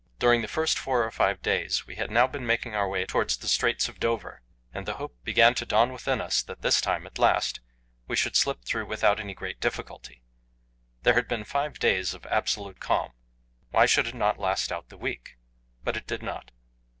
During the first four or five days we had now been making our way towards the Straits of Dover, and the hope began to dawn within us that this time, as last, we should slip through without any great difficulty. There had been five days of absolute calm; why should it not last out the week? But it did not.